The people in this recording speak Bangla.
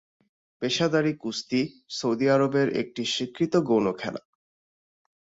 পেশাদারি কুস্তি সৌদি আরবের একটি স্বীকৃত গৌণ খেলা।